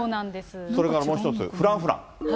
それからもう一つ、フランフラン。